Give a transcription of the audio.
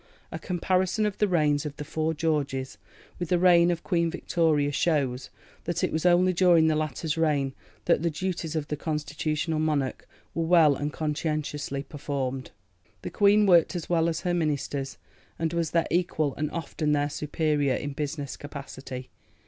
A comparison of the reigns of the four Georges with the reign of Queen Victoria shows that it was only during the latter's reign that the duties of the constitutional monarch were well and conscientiously performed. The Queen worked as well as her Ministers, and was their equal and often their superior in business capacity.